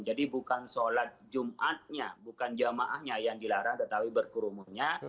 jadi bukan sholat jumatnya bukan jamaahnya yang dilarang tetapi berkerumunnya